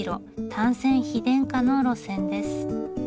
単線非電化の路線です。